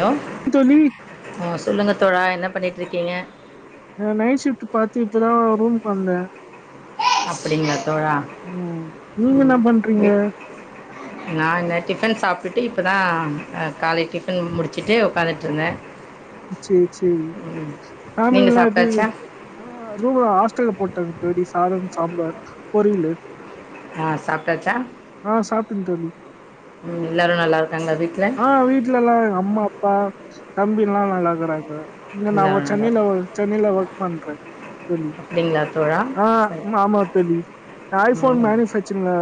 Hello தோழி ஆ சொல்லுங்க தோழா என்ன பண்ணிட்ருக்கீங்க நா நைட் ஷிப்ட் பாத்து இப்பதா ரூம்க்கு வந்தே அப்பிடிங்களா தோழா ம் நீங்க என்ன ம் பண்றீங்க எ நா என்ன டிஃபன் சாப் ட்டுட்டு இப்பதா ஆ காலை டிஃபன் முடிச்சுட்டு உ்க்காந்துட்டுருந்தே ம் சேரி சேரி ஆமா நீங்க இல்ல இது சாப்பிட்டாச்சா ஆ ரூமு ஹாஸ்டல்ல போட் டது [unintelligible] சாதம் சாம்பார் பொரியலு ஆ சாப்ட்டாச்சா? ஆ சாப்ட்டே தோழி ம் எல்லாரு நல்லா இருக்காங்களா வீட்ல பா தம்பி எல்லா நல்லாருக்காங்களா இங்க நா ஒர் எல்லாரும் நல்லா சென்னையில இருக் ஒர் சென்னையில ஒர்க் பண்ற தோழி அப்படிங்களா தோழா ஆ சரி அம்மா ஆமா தோழி ஐபோன் ம் மேனேஜ் வெச்சுருந்த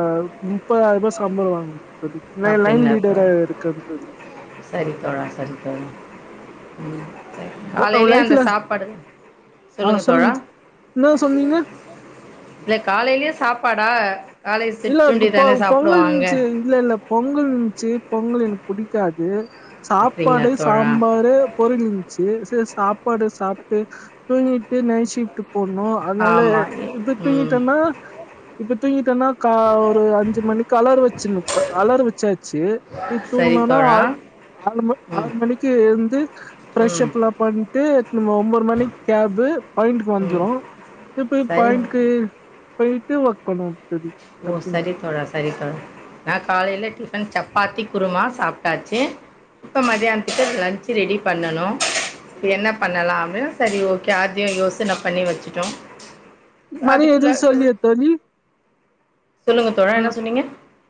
முப்பதாயிரூபா சம்பளோ வாங்குவ தோழி நா லைன் அப்படிங்களா லீடரா தோழா இருக்கந் தோழி சரி தோழா சரி தோழா ம் காலையிலயே அந்த லைஃப்ல சாப்பாடு சொல்லுங்க தோழா என்ன சொன்னீங்க இல்ல காலையிலயு சாப்பாடா காலை இல்லக் சிற்றுண்டி பொ தானே பொங்கல் சாப்பிடுவாங்க வெச்சு இல்ல இல்லப் பொங்கல் வெச்சு பொங்கலு எனக் புடிக்காது அப்படிங்களா சாப்பாடு தோழா சாம்பாரு பொரியல் இருஞ்சு சாப்பாடு சாப்புட்டு தூங்கிட்டு நைட் ஷிஃப்ட்டுப் போணு அதாலயே ஆமா இப்ப ம் தூங்கிட்டனா இப்ப தூங்கிட்டனா அவரு அஞ்சு மணிக்கு அலாரோ வெச்சுன்னுருப்ப அலாரோ வெச்சாச்சு போய் தூங்க சரி போனா தோழா ஆறு ஆறு ம ம் ஆறு மணிக்கு எழுந்து ம் ஃப்ரெஷ்ஷப் எல்லா பண் ட்டு நம்ம ஒன்பது மணி கேப்பு பாயிண்ட்க்கு ம் வந்துரு இப்பு இப் சரி பாயிண்ட்க்கு போயிட்டு வெக்கணும் தோழி ஓ கம்பெனில சரி தோழா சரி தோழா நா காலையில டி டிஃப்பன் சப்பாத்தி குருமா சாப்டாச்சு இப்போ மதியானத்துக்கு லஞ்சு ரெடி பண்ணணு என்ன பண்ணலாம்னு சரி ஓகே அதயு யோசன பண்ணி வெச்சுட்டோ மணி எது சொல்லியா தோழி சொல்லுங்க தோழா அ என்ன சொன்னீங்க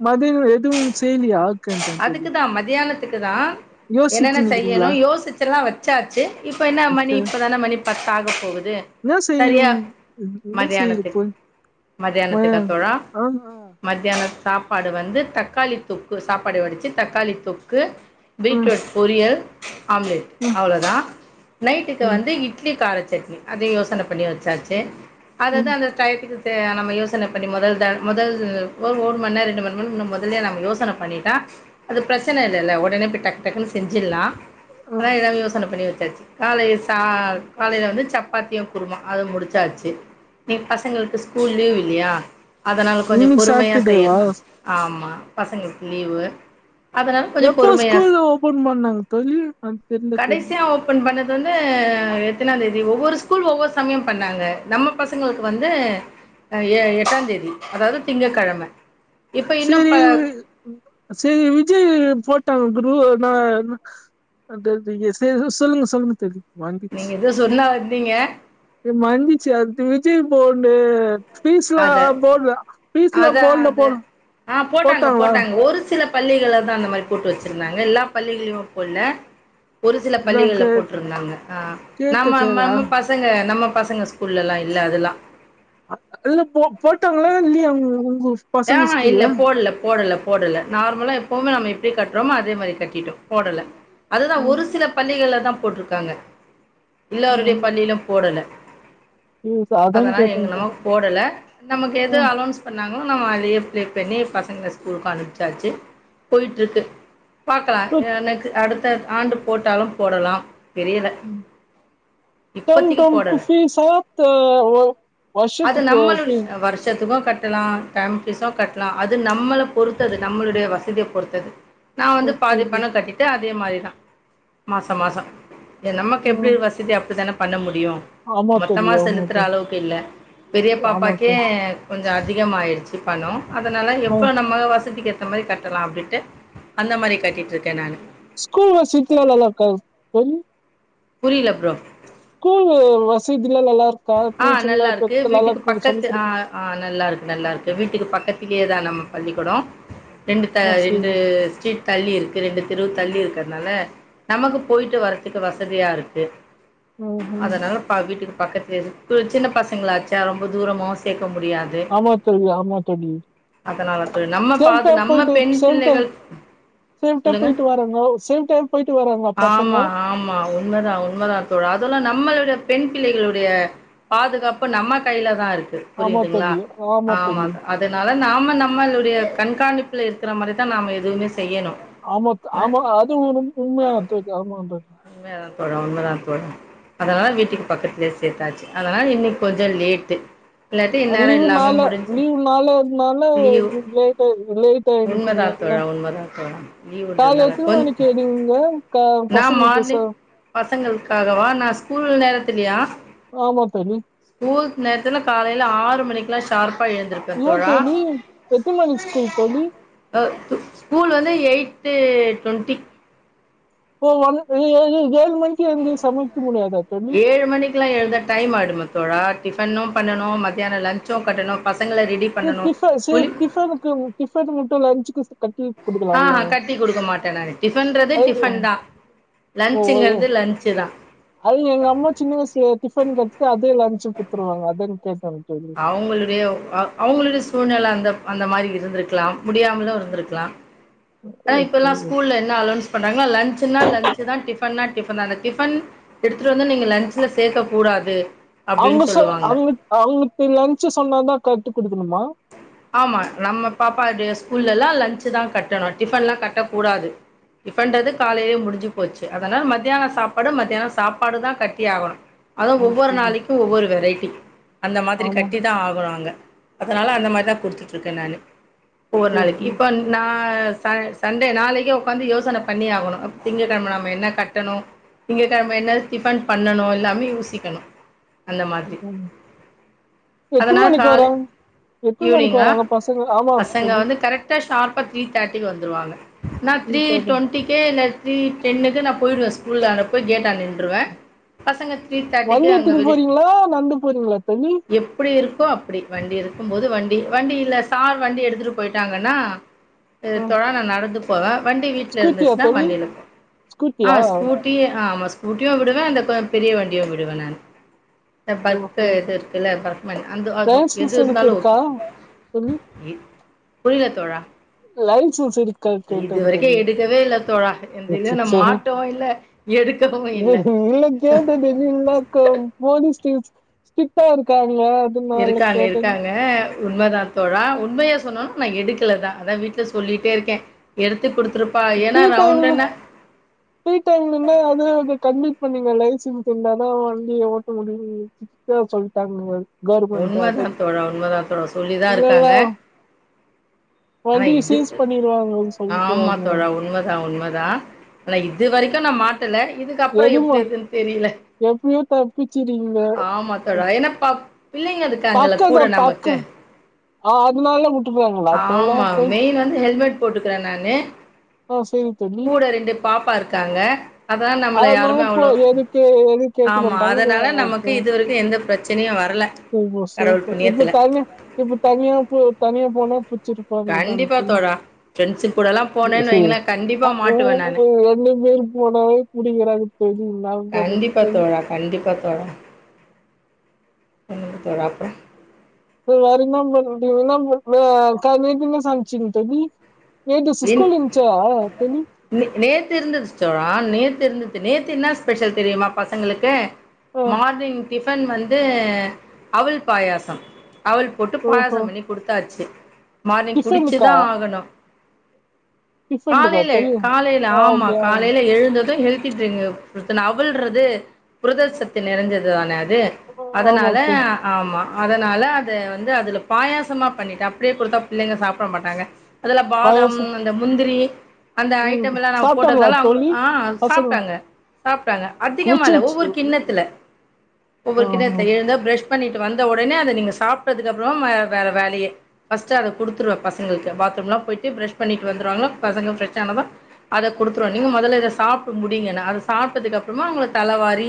மதி எதுவும் செய்லியா அதுக்குதா மத்தியானத் துக்குதா யோசிச்சு என்னென்ன செய்யணு நிக்கிறீங்களா யோசிச்சு எல்லா வெச்சாச்சு இப்ப என்ன மணி சரி இப்பதான மணிப் பத்தாக போகுது என்ன து சரியா செய்யும் என்ன மத்தியானத்துக் செய்யறது ம மத்தியானத்துக்கு அப்புறோ ஆ ஆ மத்தியானத் சாப்பாடு வந்து தக்காளி தொக்கு சாப் சாப்பாடு வடிச்சு தக்காளி தொக்கு ஆ பீட்ரூட் பொரியல் ஆம்லெட் ம் அவ்ளோதா நைட்டுக்கு வந்து இட்லி காரச் சட்னி அதையு யோசன பண்ணி வெச்சாச்சு அதுதா ம் அந்த டைத்துக்கு நம்ம யோசன பண்ணி மொதல் தா மொதல் ஒர் ஒர் மண்நேர் ரெண்டு மண் நேர் மொதல்லயே நம்ம யோசன பண்ணிட் தா அது பிரச்சன இல்லல்ல ஒடனே போய் டக்கு டக்குன்னு செஞ்சுடுலா ஆ அதா ஏதாவது யோசன பண்ணி வெச் டாச்சு காலையி சால் காலையில வந்து சப்பாத்தியும் குருமா அதோட முடுச்சாச்சு இன்னிக்கு பசங்களுக்கு ஸ்கூல் லீவ் இல்லியா அதனா கொஞ்ச இன்னைக்கு பொறுமையா சாட்டர்டேவா செய்யலா ஆமா பசங்க லீவு அதனால கொஞ்சோ எப்போ பொறுமையா ஸ்கூல்லா ஓபன் பண்ணாங்க தோழி அது தெரில தோழி இது வந்து எத்தனாந் தேதி ஒவ்வொரு ஸ்கூல் ஒவ்வொரு சமயம் பண்ணாங்க நம்ம பசங்களுக்கு வந்து எ எட்டாந் தேதி அதாவது திங்கக்கெழம இப்ப இன்னு சேரி ப உங்களுக்கு சேரி விஜய் போட்டா குரு நா அது அது எது எதோ சொல்லுங்க சொல்லுங்க தெரியு மரந்திச்சு நீங்க எதோ சொன்னா வந்தீங்க மரந்திச்சு அது விஜய் போன்னேன் பீஸ்லா அத போல்ல பீஸ்லா அதான் போல்ல அது போனு ஆ போட்டாங்க போட்டாங்க ஒரு சிலப் பள்ளிகள்லிதா அந்த மாரி போட்டு வெச்சுருந்தாங்க எல்லா பள்ளிகள்லியு போல்ல ஒரு சில இதா பள்ளிகள்ல கேட்ட போட்ருந்தாங்க ஆ கேட்ட கேளா நம்மம்ம பசங்க நம்ம பசங்க ஸ்கூல்ல எல்லா இல்ல அதெல்லா இல்ல போ போட்டாங்களா இல்லியா அவங்க ஆமா இல்ல போல்ல போடல போடல நார்மலா எப்பவுமே நம்ம எப் எப்டி கட்றமோ அதே மாரி கட்டிட்டோ போடல அதுதா ஒரு சில பள்ளிகள்ல தாம் போட்ருக்காங்க எல்லோருடைய பள்ளியிலும் போடல ஃபீஸ் அதான் அதனா கேட்டேன் எங்கனா போடல நமக்கு எது அலோன்ஸ் பண்ணாங்களோ நம்ம அதையே பேக் பண்ணி பசங்கள ஸ்கூலுக்கு அனுப்புச்சாச்சு போயிட்டு இருக்கு பாக்கலா எனக்கு அடுத் அடுத்த ஆண்டு போட்டாலும் போடலா ம்‌ இப்பத்திக்கு போடல [unintelligible] வர்ஷத்துக்கு கட்டலா டேம் பீஸு கட்டலா அது நம்மள பொறுத்தது நம்மளுடைய வசதிய பொறுத்தது நா வந்து ஓகே பாதி பணங் கட்டிட்டு அத் அதே மாரிதா மாசோ மாசோ நமக்கு எப்டி வசதி அப்டித்தானம் பண்ண முடி முடியு ஆமா மொத்தமா தெரியல ஆமா செலுத்துற தெரியல அளவுக்கு இல்ல பெரிய ஆமா பாப்பாக்கே ஓகே கொஞ்ச அதிகமாயிருச்சு சிப்பணோ அதனால ஆ எவ்ளோ நம்ம வசதி கேப் த்த மாரி கட்டலா அப்டின்ட்டு அந்த மாரி கட்டிட்டுருக்க நானு ஸ்கூல்ல சீட்லா நல்லா இருக்கா தோழி புரில ஃப்ரோ ஸ்கூல் வசதில்லா நல்லா இருக் ஆ நல்லா இருக்கு வீட்டுக்கு பக்கத்து ஆ குடுக்க ஆ நல்லா இருக்கு நல்லா இருக்கு வீட்டுக்கு பக்கத் லியேதா நம்ம பள்ளிக்கூடோ ரெண்டு மோஸ்ட்லி ரெண்டு ஸ்ட்ரீட் தள்ளி இருக்கு ரெண்டு தெருவு தள்ளி இருக்கு இருக்கற்னால நமக்கு போயிட்டு வர்றதுக்கு வசதியா இருக்கு ம் ம் அதனால்லப்பா வீட்டுக்கு பக்கத்துலயே இருக் டொல் சின்ன பசங்களாச்சா ரொம்ப தூரமாவு சேக் சேக்க முடியாது ஆமா தோழி ஆமா தோழி அதனாலதா நம்ம பா சேஃப்டா நம்ம போயிட்டு பெண் சேஃப்டா பிள்ளைகள் சேஃப்டா சொல்லுங்க போயிட்டு வராங்க சேஃப்டா போயிட்டு வராங்க பசங்க ஆமா ஆமா உண்மதா உண்மதா தோழா அதெல்லா நம்மளுடைய பெண் பிள்ளைகளுடைய பாதுகாப்பு நம்ம கையிலதா இருக் கு ஆமா புரியுதுங்களா தோழி ஆமா தோழி அதனால நாம நம்மளுடைய கண்காணிப்பில இருக்கிற மாரிதா நாம எதுவுமேஸ் ஆமாத் ஆமா அதுவு ரொம்ப உண்மையான தோழி ஆமாந் தோழி உண்மையாதா தோழா உண்மதா தோழா அதனால வீட்டுக்கு பக்கத்துலயே சேத்தாச்சு அதனால இன்னிக்கு கொஞ்ச லேட்டு இல்லாட்டி இந்நேரம் அதிலியு எல்லாமே மேல முடிஞ்சு லீவு நாள்ள நாள்ள லீவு. லேட்டா லேட்டா எந்திரிப்பிங்க உண்மதா அதா தோழா உண்மதா தோழா. காலை லீவுன்றதுனால எத்தன மணிக்கு எந்திரிப்பிங்க கா நா மார்னிங் பசங்களுக்காகவா நா ஸ்கூல் நேர த்தில்லையா ஆமா தோழி ஸ்கூல் நேரத்துல காலையில ஆறு மணி த்துல சார் ஏன் தோழி எத்தினி மணிக்கி ஸ்கூல் தோழி? அ ஸ்கூல் வந்து எயிட்டு டுவெண்ட்டி [unintelligible] ஏ ஏ ஏ ஏழு மணிக்கு எழுந்து சமைக்க முடியாதா தோழி ஏழு மணிக்கெல்லா எழுந்தா டைம் ஆயிடுமே தோழா டிஃபனு பண்ணனு மத்தியானோ லன்ச்சு கட்டணு பச டி டிஃப சேரி டிஃபனுக்கு டிஃபன் மட்டு லன்ச்சுக்கு சே ஆஹா கட்டி குடுக்க மாட்டே நானு. டிஃபன்றது அது டிஃபன்தா ஓ ஏ லன்ச்சுங்கிறது லன்ச்சுதா அது எங்க அம்மா சின்ன வயசுல டிஃபன் கட்டிட்டு அதயே லன்ச்சுக்கு குடுத்துருவாங்க அதே அவங்களுடைய அ அவங்களுடைய சூழ்நில அந்த அந்த மாரி இருந்திருக்கலா முடியாமலு இருந்திருக்கலா ஆ இப்பல்லா ஓகே ஸ்கூல்ல என்ன அளொன்ஸ் பண்றாங்னா லன்ச்னா லன்ச்தா டிஃபன்னா டிஃபன்தா அந்த டிஃபன் எடுத்து அ அவங்க அப்டின்னு சொ சொல்லுவாங்க அவங்க அவங்களுக்கு லன்ச்சு சொன்னாதா கட்டி குடுக்கணுமா ஆமா நம்ம பாப்பா உடைய ஸ்கூல்ல எல்லா லன்ச்தா கட்டணும் டிஃபன் எல்லா கட்ட கூடாது டிஃபன்றது காலையிலயே முடிஞ்சு போச்சு அதனால மத்தியான சாப்பாடு மத்தியானோ சாப்பாடுதா கட்டி ஆகணு அது ஒவ்வொரு ஓகே நாளைக்கு ஒவ்வொரு வெரைட்டி அந்த மாதிரி ஆமா கட்டிதா ஆகணு அங்க அதனால அந்த மாரிதா குடுத்துட்ருக்க நானு ஒவ்வொரு நாளைக்கி ஓகே இப்ப நா ச சண்டே நாளைக்கே உக்காந்து யோசன பண்ணி ஆகணு அ திங்கக்கெழம நம்ம என்ன கட்டணு திங்கக்கெழம என்ன டிஃபன் பண்ணணு எல்லாமே யோசிக்கணு அந்த மாதிரி ம் எத்தன அதனால மணிக்கி காலை வராங் எத் ஈவினிங்கா பசங்க வந்து கரெக்டா ஷார்ப்பா த்ரீ தர்ட்டிக்கு வந்துருவாங்க நா சரி, த்ரீ தோழி. டொண்ட்டிக்கே நா த்ரீ டென்னுக்கு நா போயிடுவே ஸ்கூலாண்ட போய் கேட்டாண்ட நின்றுவே பசங்க த்ரீ தர்ட்டிக்கு வண்டி அங்க எடுத்துன்னு வெளிய போறீங்களா நடந்து போறீங்களா தோழி எப்டி இருக்கோ அப்டி வண்டி இருக்கும்போது வண் டி வண்டி இல்ல சார் வண்டி எடுத்துட்டு போயிட்டாங்கன்னா ஆ தோழா நா நடந்து போலா வண்டி வீட்ல ஸ்கூட்டியா இருந்துச்சுனா தோழி வண்டில போவ ஸ்கூட்டியா ஆ ஸ்கூட்டி ஆமா ஸ் ஸ்கூட்டியு விடுவே அந்த கொ பெரிய வண்டியு விடுவே நானு பர்க் ஓஹோ எது இருக்குல்ல பர்க்மென்ட் அந்த அதுவு எது லைசன்ஸுனுக்கு இருந்தாலு ஓகே [unintelligible] இல்ல தோழா [unintelligible] இது வரைக்கும் [unintelligible] எடுக்கவே இல்ல தோழா இதுல நான் அச்சச்சோ [unintelligible] [unintelligible] மாட்டவும் இல்ல எடுக்கவும் இல்ல ஸ்ட்ரிக்டா இருக்கா ல்ல அதுனால கேட்டே உண்மைதா தோழா உண்மையா சொன்னனா நா எடுக்கல தா அதா வீட்ல சொல்லிட்டே இருக்கே எடுத் ஃப்ரீ டைம் ஃப்ரீ டைம் இருந்தா அதுவே கன் இப்ப நீங்க லைசன்ஸ் இருந்தா தா வண்டிய ஓட்ட முடியு சொல்லிட்டாங்க உண்மதா தோழா உண்மதா தோழா சொல்லிதா இல்லல்ல இருக்காங்க ஆனா வண்டிய இது சீஸ் பண்ணிருவாங்கனு ஆமா சொல்லிக்கிறாங்க தோழா உண்மதா உண்மதா ஆனா இது வரைக்கு நா மாட்ற எதுமோ எப்டியோ தப்பிச்சிரீங்க ஆமா தோழா என்னப்பா பக்கோதா பக்கோ ஆ அதனாலல்லா விட்டுறாங்களா தோழா [unintelligible] போட்டுக்கறே நானு ஆ சரி தோழி கூட ரெண்டு பாப்பா இருக்காங்க அதா நம்மள யாருமே அதனால இப்ப அவ்ளோ எதுக்கு எது கேட்க மாட்டாங்க [unintelligible] து இதுவரைக்கு எந்த பிர சனையு வர ஓகோ ஸோ இப்ப தனியா இப்ப இப்ப தனியா இப்ப தனியா போ தனியா போனா வச்சிருப்பாங்க தான கண்டிப்பா தோழி தோழா ஃப்ரெண்ட்ஸு கூடலா போனேன்னு வைங்களே [unintelligible] கண்டிப்பா ஓ மாட்டுவே நானு என்ன பேர் போனாலே புடிக்கிறாங்க [unintelligible] பண்றது கண்டிப்பா தோழி தோழா கண்டிப்பா தோழா இ தராப்ப ஒரு வார நா [unintelligible] சமைச்சுபுட்ட நீ நேத் நே நேத்து இருந்தது தோழா நேத்து இருந்தது நேத்து என்னா ஸ்பெஷல் தெரியுமா பசங்களுக்கு ஆ மார்னிங் டிஃபன் வந்து அவுல் பாயாசம் அவுல் போட்டு ஓஹோ பாயசம் பண்ணி குடுத்தாச்சி மார்னிங் டிஃபனுக்கா குடிச்சிதான் ஆகணும் டிஃபனுக்கா காலைல தோழி ஆ காலைல ஆமா ஓகே ஆ காலையில எழுந்தது து ஹெல்த்தி ட்ரிங்கு குடுத்தனா அவல்ன்றது புரதசத்து நெறைஞ்சது தான து ஆமா அதனால தோ ஆமா அதனால அது வந்து அதுல பாயசமா பண்ணிட்டன் அப்டே கொடுத்தா பிள்ளைங்க சாப்ட மாட்டாங்க அதுல பா தாம் பாயாசோ அந்த முந்திரி அந்த ம் ஐட்டம் லா நம்ம சாப்ட்டாங்களா போட்டதனால அவங்க தோழி ஆ பசங்க சாப்ட்டாங்க சாப்ட்டாங்க அதிகமா இல்ல மிச்சிருச்சு ஒவ்வொரு கிண்ணத்துல ஆ ஒவ்வொரு கிண்ணத்த எழுந்தா பிரஷ் பண்ணிட்டு வந்த ஒடனே அத நீங்க சாப்பிட்டதுக்கு அப்புறம் ம வேற வேலயே ஃபர்ஸ்ட்டு அத குடுத்துருவேன் பசங்களுக்கு பாத்ரூம்லாம் போயிட் டு பிரஷ் பண்ணிட்டு வந்துருவாங்களா பசங்க பிரெஷ் ஆனதும் அத குடுத்துருவ நீங்க மொதல்ல இத சாப்ட்டு முடிங்கனா அத சாப்ட்டதுக்கு அப்புறமா அவங்கள தலவாரி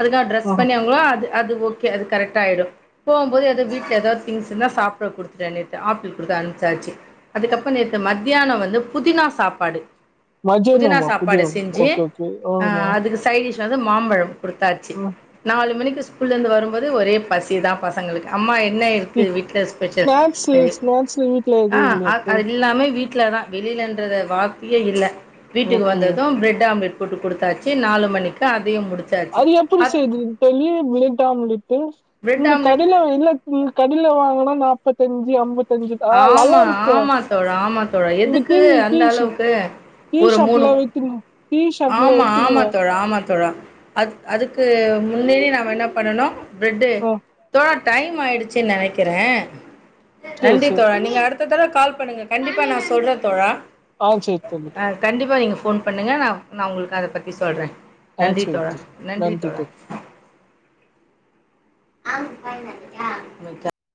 அதுகா ட்ரெஸ் ஆ பண்ணிவாங்களோ அது அது ஓகே அது கரெட்டா ஆயிடும் போம்போது எதா வீட்ல எதா திங்ஸ் இருந்தா சாப்ட குடுத்துட்ட நேத்து ஆப்பிள் குடுத்து அம்ச்சாச்சி அதுக்கப் ப நேத்து மத்தியான வந்து புதினா சாப்பாடு புதினா மஜேநாமா புதியோ சாப்பாடு ஓகே ஓகே ஆமா என்னாது மாம்பழம் குடுத்தாச்சி ஆ நாலு மணிக் ஸ்கூல்ல இருந்து வரும்போது ஒரே பசி தா பசங்களுக்கு அம்மா என ஸ்நாக்ஸ்கு ஸ்னாக்ஸ் வீட்ல ஆ எப்டி மேடம் இருக்கு அது எல்லாமே வீட்ல தான் வெளிலன்றத வார்த்தையே இல்ல வீட்டுக்கு ஓகே வந்ததும் பிரட் ஆம்லெட் போட்டு கொடுத்தாச்சி நாலு மணிக்கு அ அது எப்டி செய்றது தோழி பிரட் ஆம்லெட்டு பிரெட் இங்க ஆம்லெட் கடில வாங்கனா இங்க கடில வாங்கனா நாப்பத்தஞ்சு அம்பத் ஆம்மா ஆம்மா தோழா ஆமா தோழா இந்த எதுக்கு டீ டீ அந்த அளவுக்கு டீ ஒரு மூணு ஷாப்ல வித்துனு டீ ஷாப்ல ஆமா வித்துனுவ ஆமா தோழா ஆமா தோழா அது அதுக்கு முன்னேடி நாம என்ன பண்ணனு பெட்டு ஆ தோ டைம் ஆயிடுச்சுன் நெனைக்கிற சேரி நன்றி சேரி தோழா நீங்க அடுத் அடுத்த தடவ கால் பண்ணுங்க கண்டிப்பா நா சொல்ற தோழா ஆ சேரி தோழி அ கண்டிப்பா நீங்க ஃபோன் பண்ணுங்க நா நா உங்களுக்கு அத பத்தி சொல்ற ஆ நன்றி சேரி தோழா தோழி நன்றி தோழா தோழி ஆ....